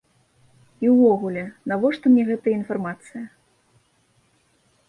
І ўвогуле, навошта мне гэтая інфармацыя?